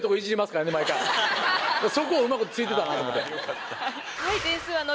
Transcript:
そこをうまく突いてたなと思って。